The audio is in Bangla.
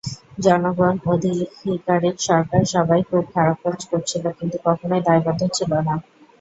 জনগণ, আধিকারিক, সরকার সবাই খুব খারাপ কাজ করছিল কিন্তু কখনই দায়বদ্ধ ছিল না।